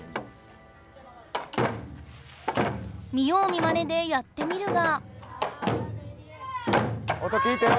見よう見まねでやってみるが。